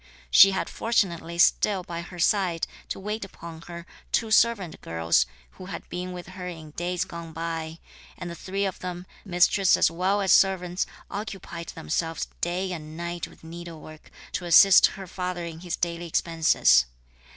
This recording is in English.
She had fortunately still by her side, to wait upon her, two servant girls, who had been with her in days gone by; and the three of them, mistress as well as servants, occupied themselves day and night with needlework, to assist her father in his daily expenses.